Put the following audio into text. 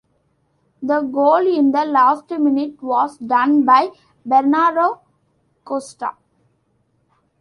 The goal in the last minute was done by Bernardo Cuesta.